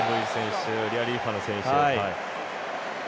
リアリーファノ選手。